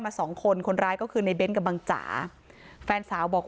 สองคนคนร้ายก็คือในเน้นกับบังจ๋าแฟนสาวบอก